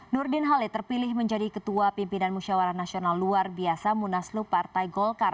nurdin halid terpilih menjadi ketua pimpinan musyawarah nasional luar biasa munaslup partai golkar